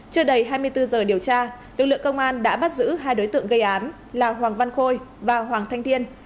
chưa đầy hai mươi bốn giờ điều tra lực lượng công an đã bắt giữ hai đối tượng gây án là hoàng văn khôi và hoàng thanh thiên